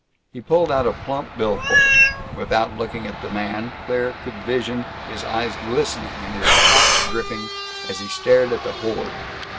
He pulled out a plump bill fold. Without looking at the man, Claire could vision his eyes glistening and his chops dripping as he stared at the hoard.